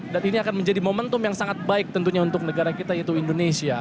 dan ini akan menjadi momentum yang sangat baik tentunya untuk negara kita yaitu indonesia